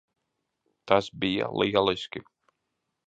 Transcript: Tas bija lieliski.